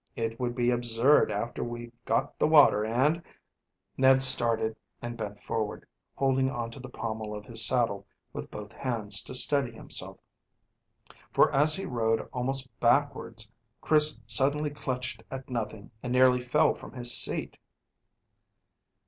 It would be absurd after we've got the water, and " Ned started and bent forward, holding on to the pommel of his saddle with both hands to steady himself, for as he rode almost backwards Chris suddenly clutched at nothing and nearly fell from his seat.